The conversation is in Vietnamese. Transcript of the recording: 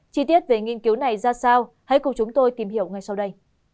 chi tiết về nghiên cứu này ra sao hãy cùng chúng tôi tìm hiểu ngay sau đây